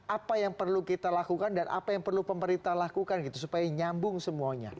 apa yang perlu kita lakukan dan apa yang perlu pemerintah lakukan gitu supaya nyambung semuanya